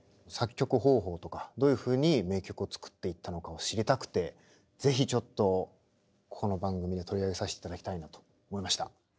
作曲方法とかどういうふうに名曲を作っていったのかを知りたくて是非ちょっとこの番組で取り上げさせていただきたいなと思いました。